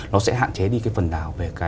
nó sẽ hạn chế đi phần nào về